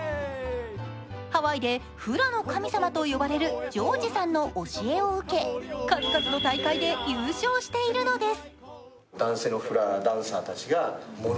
ハワイでフラの神様と呼ばれるジョージさんの教えを受け、数々の大会で優勝しているのです。